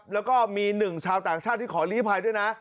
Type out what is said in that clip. แล้วก็มีหนึ่งชาวต่างชาติที่ขอลีภัยด้วยนะ